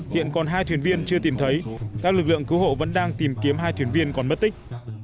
hiện còn hai thuyền viên chưa tìm thấy các lực lượng cứu hộ vẫn đang tìm kiếm hai thuyền viên còn mất tích